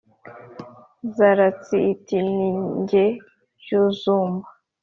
nzaratsi iti: ni jye byuzumbu